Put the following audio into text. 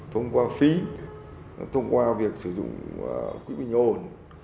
thông qua phí thông qua việc sử dụng quỹ bình ổn